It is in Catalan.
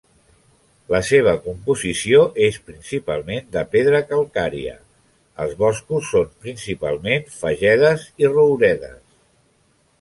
La seva composició és principalment de pedra calcària; els boscos són principalment fagedes i rouredes.